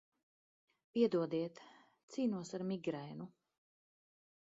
Piedodiet, cīnos ar migrēnu.